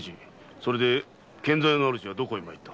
それで献残屋の主はどこへ参った。